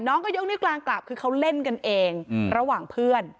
น้องก็ยกนิ้วกลางกลับคือเขาเล่นกันเองระหว่างเพื่อน